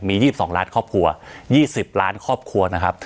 มียี่สิบสองล้านครอบครัวยี่สิบล้านครอบครัวนะครับ